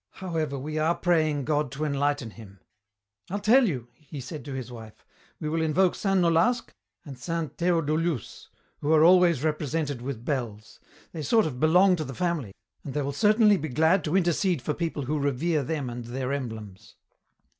However, we are praying God to enlighten him. I'll tell you," he said to his wife, "we will invoke Saint Nolasque and Saint Theodulus, who are always represented with bells. They sort of belong to the family, and they will certainly be glad to intercede for people who revere them and their emblems."